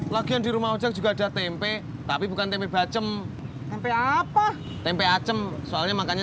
lagi dirumah ucap juga ada tempe tapi bukan tempe bacem tempe apa tempe acehm soalnya makannya